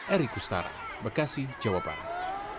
erik gustara bekasi jawa barat